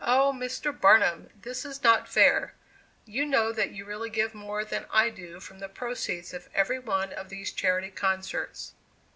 Mr. Barnum, this is not fair; you know that you really give more than I do from the proceeds of every one of these charity concerts."